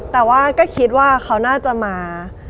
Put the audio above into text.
แต่ว่าก็คิดว่าเขาน่าจะมา